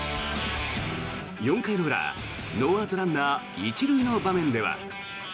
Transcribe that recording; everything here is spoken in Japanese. ４回の裏、ノーアウトランナー１塁の場面では。